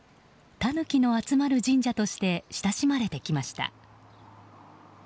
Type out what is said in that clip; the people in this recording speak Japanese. タヌキの集まる神社として親しまれてきました。